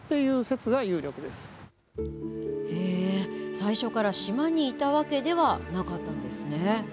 最初から島にいたわけではなかったんですね。